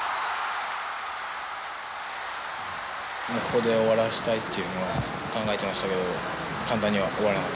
ここで終わらせたいっていうのは考えてましたけど簡単には終わらなかったです。